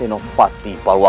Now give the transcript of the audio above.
dan menangkan mereka